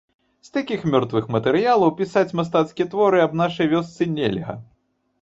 З такіх мёртвых матэрыялаў пісаць мастацкія творы аб нашай вёсцы нельга.